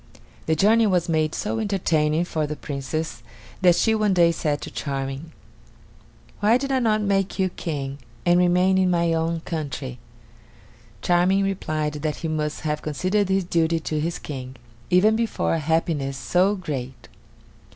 The journey was made so entertaining for the Princess that she one day said to Charming: "Why did I not make you King, and remain in my own country?" Charming replied that he must have considered his duty to his King, even before a happiness so great.